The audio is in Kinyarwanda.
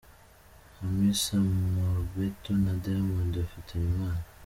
Hamisa Mobetto na Diamond bafitanye umwana.